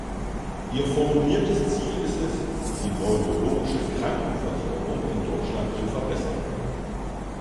Ihr formuliertes Ziel ist es, die neurologische Krankenversorgung in Deutschland zu verbessern.